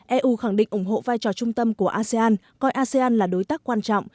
eu khẳng định ủng hộ vai trò trung tâm của asean coi asean là đối tác quan trọng